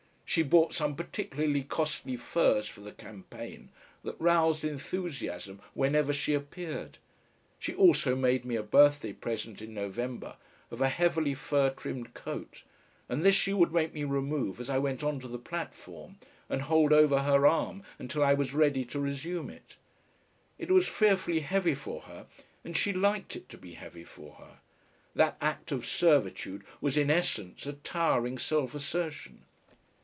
She bought some particularly costly furs for the campaign that roused enthusiasm whenever she appeared. She also made me a birthday present in November of a heavily fur trimmed coat and this she would make me remove as I went on to the platform, and hold over her arm until I was ready to resume it. It was fearfully heavy for her and she liked it to be heavy for her. That act of servitude was in essence a towering self assertion.